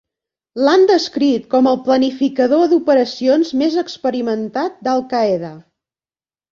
L'han descrit com el planificador d'operacions més experimentat d'Al-Qaeda.